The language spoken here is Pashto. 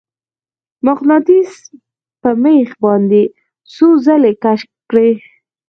مقناطیس په میخ باندې څو ځلې کش کړئ.